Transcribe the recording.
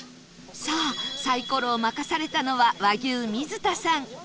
さあサイコロを任されたのは和牛水田さん